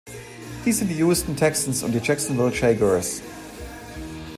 Dies sind die Houston Texans und die Jacksonville Jaguars.